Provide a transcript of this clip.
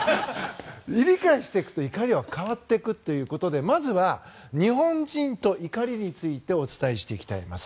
理解していくと怒りは変わっていくということでまずは日本人と怒りについてお伝えしていきたいと思います。